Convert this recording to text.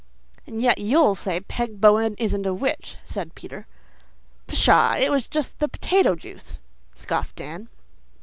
"And yet you'll say Peg Bowen isn't a witch," said Peter. "Pshaw, it was just the potato juice," scoffed Dan.